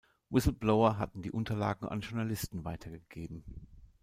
Whistleblower hatten die Unterlagen an Journalisten weitergegeben.